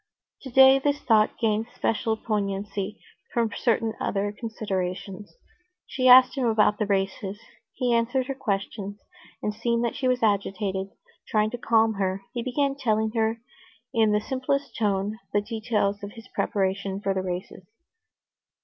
Today this thought gained special poignancy from certain other considerations. She asked him about the races. He answered her questions, and, seeing that she was agitated, trying to calm her, he began telling her in the simplest tone the details of his preparations for the races.